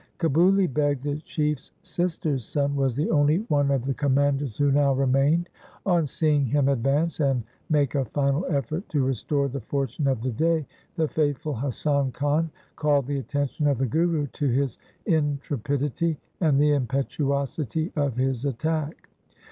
Kabuli Beg, the Chiefs sister's son, was the only one of the commanders who now remained. On 186 THE SIKH RELIGION seeing him advance and make a final effort to restore the fortune of the day, the faithful Hasan Khan called the attention of the Guru to his in trepidity and the impetuosity of his attack.